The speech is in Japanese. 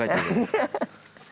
ハハハ！